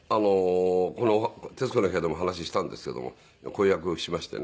この『徹子の部屋』でも話したんですけども婚約をしましてね。